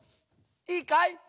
いいかい？